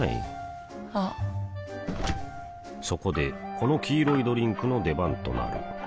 あっそこでこの黄色いドリンクの出番となる